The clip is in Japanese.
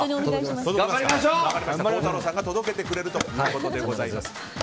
孝太郎さんが届けてくれるということでございます。